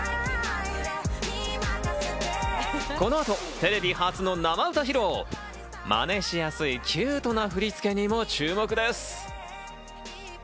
この後、テレビ初の生歌披露。マネしやすいキュートな振り付けにも注目です。